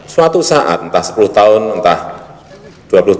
suatu saat entah sepuluh tahun entah